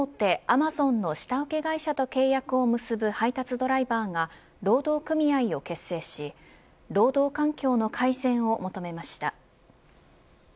アマゾンの下請け会社と契約を結ぶ配達ドライバーが労働組合を結成し労働環境の改善を求めました。